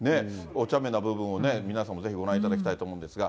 おちゃめな部分を皆さんもぜひご覧いただきたいと思うんですが。